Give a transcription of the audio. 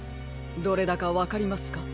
どれだかわかりますか？